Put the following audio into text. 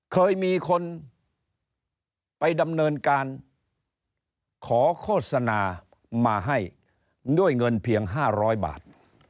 เคยมีคนไปดำเนินการขอโฆษณามาให้ด้วยเงินเพียง๕๐๐บาท